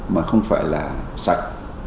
mà không phải là sản xuất